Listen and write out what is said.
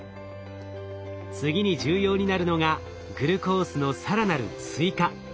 次に重要になるのがグルコースの更なる追加。